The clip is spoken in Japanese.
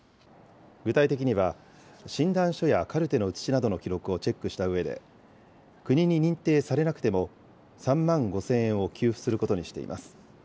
具体的には、診断書やカルテの写しなどの記録をチェックしたうえで、国に認定されなくても、３万５０００円を給付することにしています。